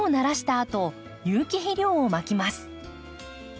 あと有機肥料をまきます。